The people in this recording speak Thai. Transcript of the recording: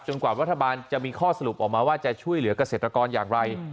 กว่ารัฐบาลจะมีข้อสรุปออกมาว่าจะช่วยเหลือกเกษตรกรอย่างไร